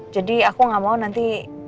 jadi aku gak mau nanti